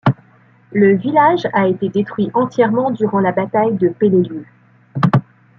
Le village a été détruit entièrement durant la bataille de Peleliu.